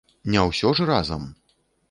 Не ўсё ж разам.